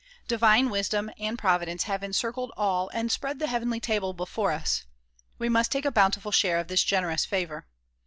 Divine wisdom and providence have encircled all and spread the heavenly table before us. We must take a bountiful share of this generous favor.